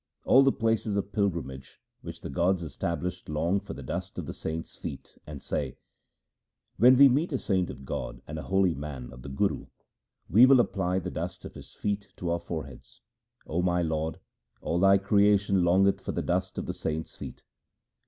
All the places of pilgrimage which the gods established long for the dust of the saints' feet, and say —' When we meet a saint of God and a holy man of the Guru, we will apply the dust of his feet to our foreheads.' 0 my Lord, all Thy creation longeth for the dust of the saints' feet.